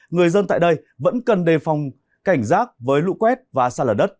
người dân tại đây vẫn cần đề phòng cảnh giác với lũ quét và xa lở đất